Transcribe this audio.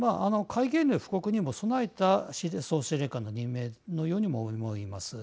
戒厳令布告にも備えた総司令官の任命のようにも思います。